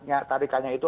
yang ada tarikannya itu